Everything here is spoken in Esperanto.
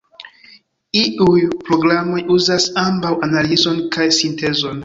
Iuj programoj uzas ambaŭ analizon kaj sintezon.